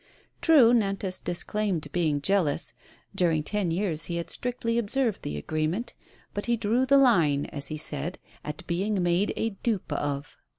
True, Nantas disclaimed being jealous; during ten years he had strictly observed the agreement; but he drew the line, as he said, at being made a dupe of.